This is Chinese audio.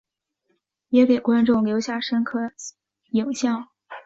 也给观众留下深刻影象。